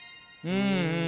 うん。